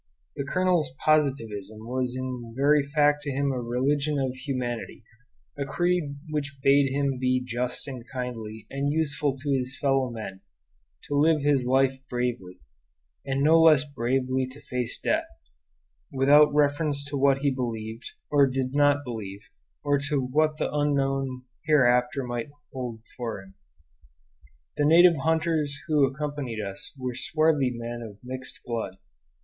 The colonel's Positivism was in very fact to him a religion of humanity, a creed which bade him be just and kindly and useful to his fellow men, to live his life bravely, and no less bravely to face death, without reference to what he believed, or did not believe, or to what the unknown hereafter might hold for him. The native hunters who accompanied us were swarthy men of mixed blood.